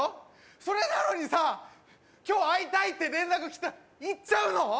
それなのにさ今日会いたいって連絡きたら行っちゃうの？